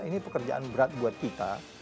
ini pekerjaan berat buat kita